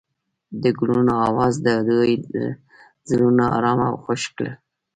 د ګلونه اواز د دوی زړونه ارامه او خوښ کړل.